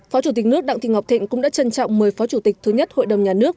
phó chủ tịch nước đặng thị ngọc thịnh cũng đã trân trọng mời phó chủ tịch thứ nhất hội đồng nhà nước